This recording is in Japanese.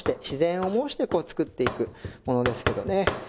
自然を模してこう作っていくものですけどね。